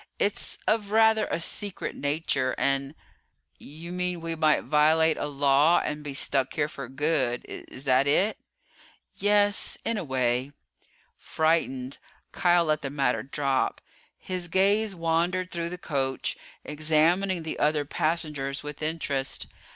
"It's of rather a secret nature and ..." "You mean we might violate a Law and be stuck here for good is that it?" "Yes in a way." Frightened, Kial let the matter drop. His gaze wandered through the coach, examining the other passengers with interest.